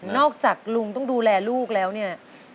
จากลุงต้องดูแลลูกแล้วเนี่ย